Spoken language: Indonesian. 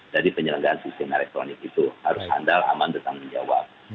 jadi penyelenggaraan sistem elektronik itu harus handal aman dan bertanggung jawab